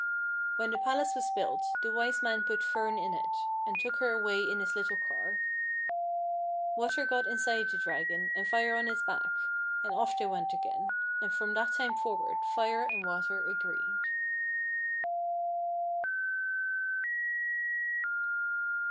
When the palace was built the Wise Man put Fern in it, and took her away in his little car. Water got inside the Dragon, and Fire on his back, and off they went again, and from that time forward Fire and Water agreed.